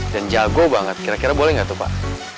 dan jago banget kira kira boleh nggak tuh pak